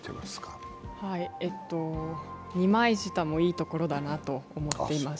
二枚舌もいいところだなと思っています。